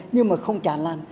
nhưng mà không tràn lan